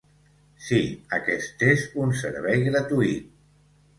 Sí, aquest és un servei gratuït.